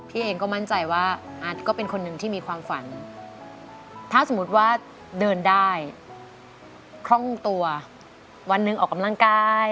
เองก็มั่นใจว่าอาร์ตก็เป็นคนหนึ่งที่มีความฝันถ้าสมมุติว่าเดินได้คล่องตัววันหนึ่งออกกำลังกาย